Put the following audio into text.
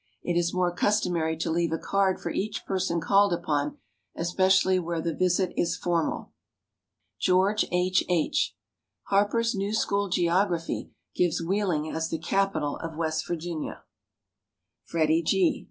It is more customary to leave a card for each person called upon, especially where the visit is formal. GEORGE H. H. Harper's new School Geography gives Wheeling as the capital of West Virginia. FREDIE G.